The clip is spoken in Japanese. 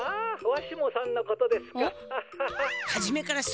☎あわしもさんのことですか。